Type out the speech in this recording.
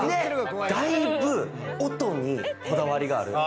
だいぶ音にこだわりがある。